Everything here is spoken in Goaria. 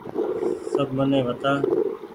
سب مني وتآ ۔